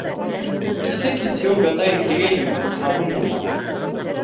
Кисә кис йыуып ятайым тигәйнем, һабын булманы.